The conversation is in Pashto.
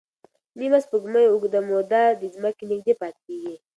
نیمه سپوږمۍ اوږده موده د ځمکې نږدې پاتې کېږي.